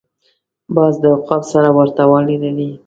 باز د عقاب سره ورته والی لري